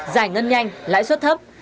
giải ngân nhanh lãi suất thấp